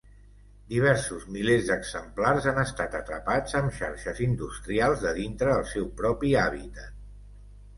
Diversos milers d'exemplars han estat atrapats amb xarxes industrials de dintre el seu propi hàbitat.